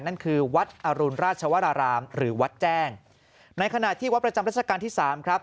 นั่นคือวัดอรุณราชวรารามหรือวัดแจ้งในขณะที่วัดประจำรัชกาลที่สามครับ